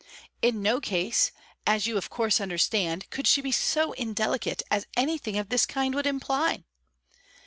In no case, as you of course understand, could she be so indelicate as anything of this kind would imply.